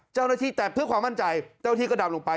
เจ้าระชีแตบเพื่อความมั่นใจเจ้าระชีก็ดำลงไป